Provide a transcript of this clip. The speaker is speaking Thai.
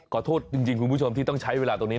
ขอโทษจริงคุณผู้ชมที่ต้องใช้เวลาตรงนี้